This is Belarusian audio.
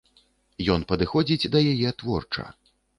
Ён падыходзіць да яе творча.